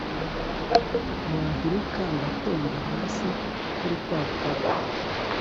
Wahilika ngatemba hasi nku rupapuro